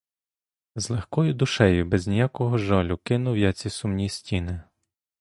З легкою душею, без ніякого жалю кинув я ці сумні стіни.